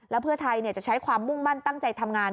และเพื่อไทยจะใช้ความมุ่งมั่นตั้งใจทำงาน